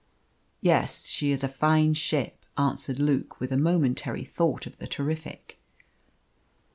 "Yes, she is a fine ship," answered Luke, with a momentary thought of the Terrific.